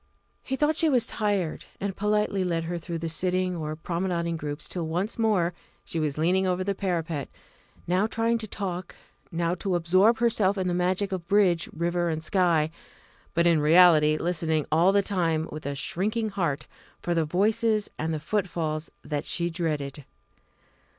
He thought she was tired, and politely led her through the sitting or promenading groups till once more she was leaning over the parapet, now trying to talk, now to absorb herself in the magic of bridge, river, and sky, but in reality listening all the time with a shrinking heart for the voices and the footfalls that she dreaded.